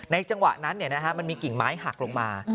จังหวะนั้นมันมีกิ่งไม้หักลงมา